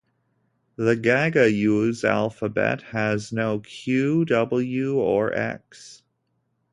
The Gagauz alphabet has no q, w or x.